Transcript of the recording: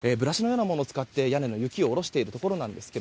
長い棒、そしてブラシのようなものを使って屋根の雪を下ろしているところです。